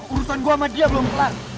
urusan gua sama dia belum kelar